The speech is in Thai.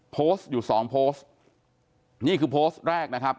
โพสต์อยู่สองโพสต์นี่คือโพสต์แรกนะครับ